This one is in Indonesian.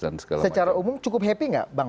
dan segala macam secara umum cukup happy nggak bang